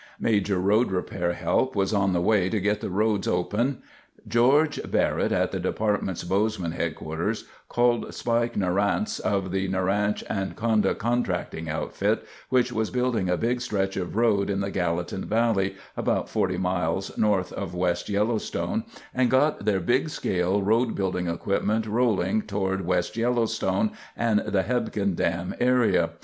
Major road repair help was on the way to get the roads open. George Barrett at the department's Bozeman HQ called Spike Naranche of the Naranche & Konda contracting outfit, which was building a big stretch of road in the Gallatin Valley, about forty miles north of West Yellowstone, and got their big scale road building equipment rolling toward West Yellowstone and the Hebgen Dam area.